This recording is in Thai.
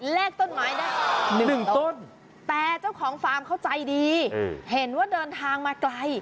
เลขต้นไม้นะ๑ต้นแต่เจ้าของฟาร์มเขาใจดีเห็นว่าเดินทางมาไกล